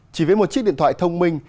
chỉ với một chiếc điện thoại thông minh